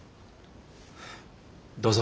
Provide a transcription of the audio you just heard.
どうぞ。